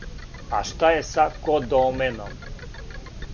А шта је са кодоменом?